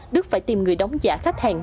đức phải tìm người đóng giả khách hàng